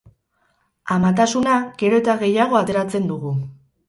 Amatasuna gero eta gehiago atzeratzen dugu.